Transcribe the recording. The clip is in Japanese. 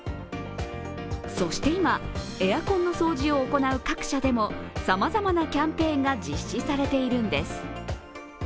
そして今、エアコンの掃除を行う各社でもさまざまなキャンペーンが実施されているんです。